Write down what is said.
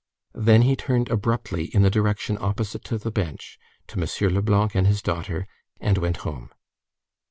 Then he turned abruptly in the direction opposite to the bench, to M. Leblanc and his daughter, and went home.